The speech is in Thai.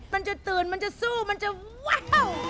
มันจะตื่นมันจะสู้มันจะว้าว